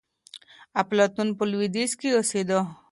افلاطون په لوېدیځ کي اوسېده.